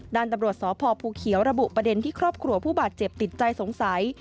ด้านตำรวจสพภูเขียวระบุประเด็นที่ครอบครัวผู้บาดเจ็บติดใจสงสัย